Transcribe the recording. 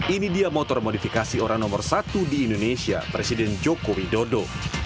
ini dia motor modifikasi orang nomor satu di indonesia presiden joko widodo